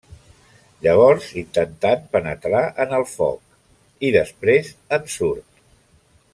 Llavors intentant penetrar en el foc, i després en surt.